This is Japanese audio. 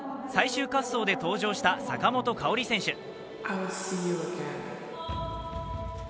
最終滑走で登場した坂本花織選手。